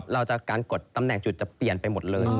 จากการกดตำแหน่งจุดจะเปลี่ยนไปหมดเลย